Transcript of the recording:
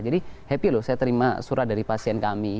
jadi happy loh saya terima surat dari pasien kami